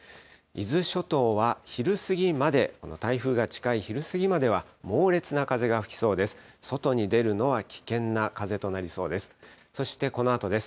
伊豆諸島は昼過ぎまで、この台風が近い昼過ぎまでは猛烈な風が吹きそうです。